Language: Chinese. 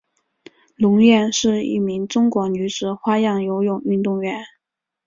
龙艳是一名中国女子花样游泳运动员。